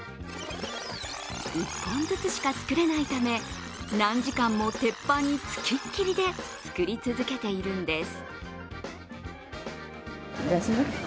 １本ずつしか作れないため、何時間も鉄板に付きっきりで作り続けているんです。